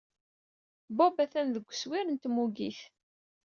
Bob atan deg wesrir n tmuggit.